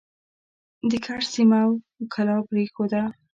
د کرز سیمه او کلا پرېښوده.